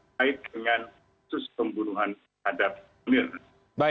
baik dengan khusus pembunuhan terhadap milik